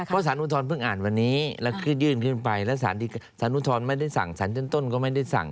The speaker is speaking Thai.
เพราะสารอุทธรณเพิ่งอ่านวันนี้แล้วขึ้นยื่นขึ้นไปแล้วสารอุทธรณ์ไม่ได้สั่งสารชั้นต้นก็ไม่ได้สั่ง